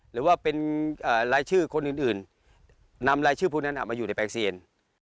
หรือว่าเป็นรายชื่อคนอื่นนำรายชื่อผู้นั้นมาอยู่ในแปลงเซียน